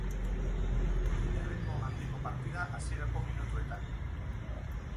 Erritmo handiko partida hasierako minutuetan.